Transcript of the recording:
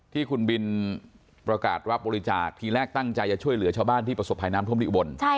ที่คุณบินประกาศรับบริจาคทีแรกตั้งใจจะช่วยเหลือชาวบ้านที่ประสบภัยน้ำท่วมที่อุบล